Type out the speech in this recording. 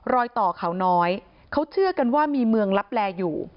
รอยต่อเขาน้อยเขาเชื่อกันว่ามีเมืองลับแลอยู่